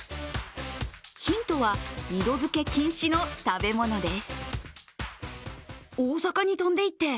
ヒントは、二度漬け禁止の食べ物です。